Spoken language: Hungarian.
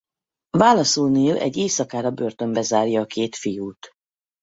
Válaszul Neil egy éjszakára börtönbe zárja a két fiút.